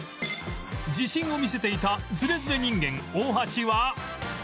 自信を見せていたズレズレ人間大橋は